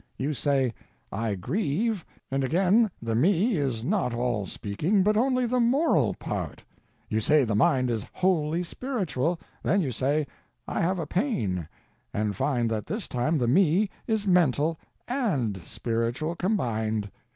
You say, "I grieve," and again the Me is not all speaking, but only the _moral _part. You say the mind is wholly spiritual; then you say "I have a pain" and find that this time the Me is mental _and _spiritual combined.